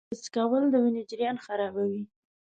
د سګرټ څکول د وینې جریان خرابوي.